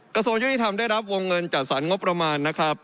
กระทรวงยุติธรรมได้รับวงเงินจัดสรรงบประมาณนะครับ